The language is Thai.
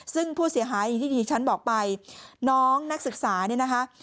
ซึ่งผู้เสียหายอย่างที่ดิฉันบอกไปน้องนักศึกษาเนี่ยนะคะ